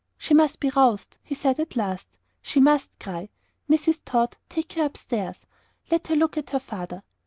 "She must be roused," he said at last. "She MUST cry. Mrs. Tod, take her up stairs. Let her look at her father."